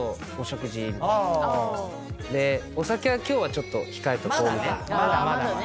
でお酒は今日はちょっと控えとこうみたいな。まだね。